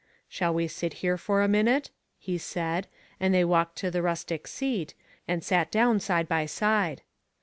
Shall we sit here for a minute ?" he said, and they walked to the rustic seat, and sat down side by side.